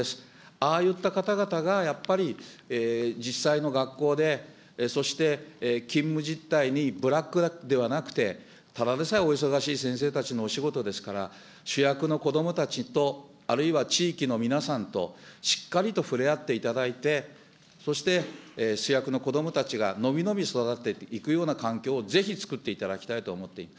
ああいった方々がやっぱり実際の学校で、そして勤務実態にブラックではなくて、ただでさえお忙しい先生たちのお仕事ですから、主役の子どもたちと、あるいは地域の皆さんとしっかりと触れ合っていただいて、そして主役の子どもたちがのびのび育っていくような環境をぜひつくっていただきたいと思っている。